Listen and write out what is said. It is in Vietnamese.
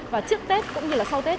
và trước tết cũng như là sau tết